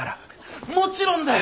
もちろんだよ！